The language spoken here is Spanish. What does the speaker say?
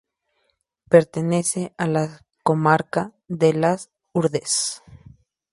Pertenece a la comarca de Las Hurdes.